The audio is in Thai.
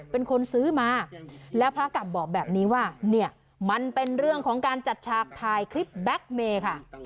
เป็นคนซื้อมาแล้วพระกลับบอกแบบนี้ว่าเนี่ยมันเป็นเรื่องของการจัดฉากถ่ายคลิปแบ็คเมย์ค่ะ